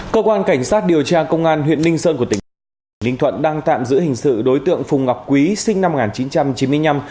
cơ quan cảnh sát điều tra công an huyện ninh sơn của tỉnh ninh bình tỉnh ninh thuận đang tạm giữ hình sự đối tượng phùng ngọc quý sinh năm một nghìn chín trăm chín mươi năm